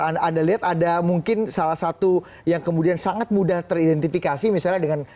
anda lihat ada mungkin salah satu yang kemudian sangat mudah teridentifikasi misalnya dengan